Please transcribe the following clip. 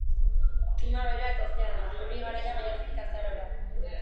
Klima beroa eta hezea da, euri garaia maiatzetik azarora.